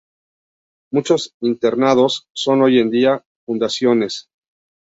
Muchos internados son hoy en día fundaciones.